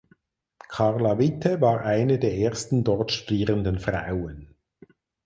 Carla Witte war eine der ersten dort studierenden Frauen.